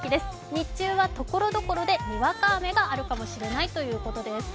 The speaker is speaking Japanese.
日中は所々でにわか雨があるかもしれないということです。